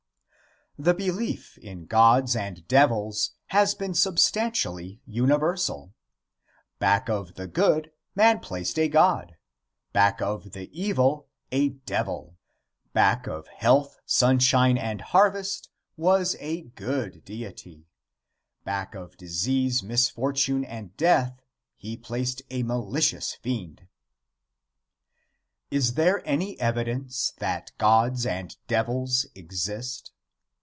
The belief in gods and devils has been substantially universal. Back of the good, man placed a god; back of the evil, a devil; back of health, sunshine and harvest was a good deity; back of disease, misfortune and death he placed a malicious fiend. Is there any evidence that gods and devils exist?